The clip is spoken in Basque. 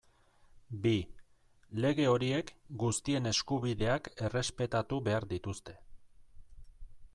Bi, lege horiek guztien eskubideak errespetatu behar dituzte.